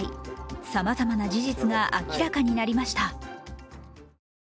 さまざまな事実が明らかになりました。